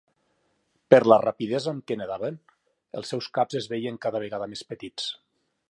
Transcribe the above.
Per la rapidesa amb què nedaven, els seus caps es veien cada vegada més petits.